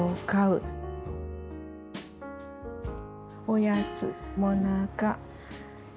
おやつもなか。